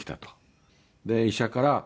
医者から「